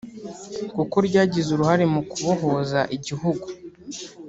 kuko ryagize uruhare mu kubohoza igihugu